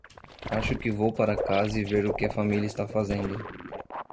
Acho que vou para casa e ver o que a família está fazendo.